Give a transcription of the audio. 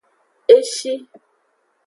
E shi.